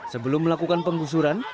sebelum melakukan pengusuran